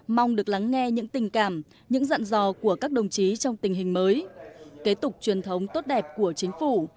mong được lắng nghe những tình cảm những dặn dò của các đồng chí trong tình hình mới kế tục truyền thống tốt đẹp của chính phủ